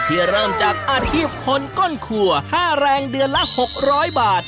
ที่เริ่มจากอาทิบคนก้นครัว๕แรงเดือนละ๖๐๐บาท